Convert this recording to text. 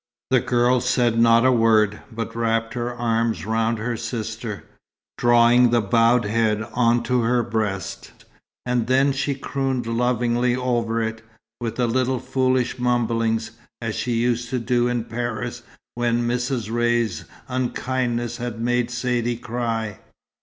The girl said not a word, but wrapped her arms round her sister, drawing the bowed head on to her breast, and then she crooned lovingly over it, with little foolish mumblings, as she used to do in Paris when Mrs. Ray's unkindness had made Saidee cry.